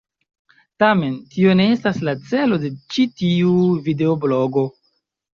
Tamen, tio ne estas la celo de ĉi tiu videoblogo.